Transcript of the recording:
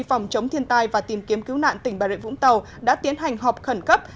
phòng chống thiên tai và tìm kiếm cứu nạn tỉnh bà rịa vũng tàu đã tiến hành họp khẩn cấp